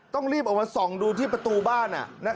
ต้องรีบออกมาส่องดูที่ประตูบ้าน